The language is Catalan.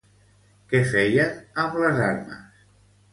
Què feien amb les armes?